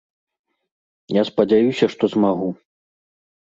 Я спадзяюся, што змагу.